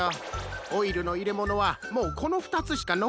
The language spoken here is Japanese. オイルのいれものはもうこのふたつしかのこってないんだ。